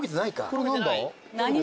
これ何だ？